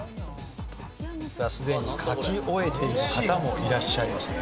さあすでに書き終えている方もいらっしゃいますね。